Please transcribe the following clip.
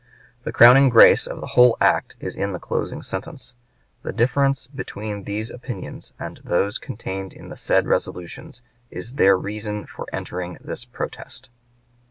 The crowning grace of the whole act is in the closing sentence: "The difference between these opinions and those contained in the said resolutions is their reason for entering this protest."